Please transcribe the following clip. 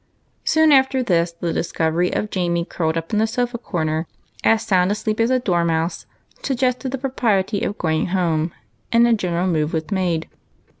Soon after this, the discovery of Jamie curled up in the sofa corner, as sound asleep as a dormouse, suggested the propriety of going home, and a general move was made.